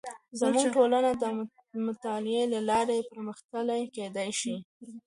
زموږ ټولنه د مطالعې له لارې پرمختللې کیدې شي.